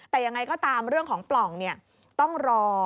แต่ยังไงก็ตามเรื่องของปล่องต้องรอ